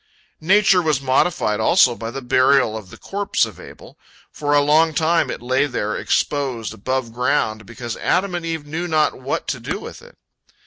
Nature was modified also by the burial of the corpse of Abel. For a long time it lay there exposed, above ground, because Adam and Eve knew not what to do with it.